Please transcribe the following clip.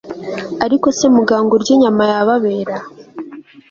Ariko se muganga urya inyama yababera